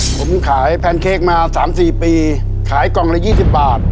ผมขายแพนเค้กมาสามสี่ปีขายกล่องละยี่สิบบาท